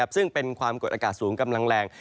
ซึ่งเป็นความกดอากาศสูงกำลังแรง